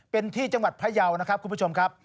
เป็นที่จังหวัดพยาวนะครับคุณผู้ชมครับ